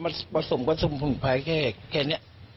โดยรถชนมาผสมกับสมุนไพรแค่นี้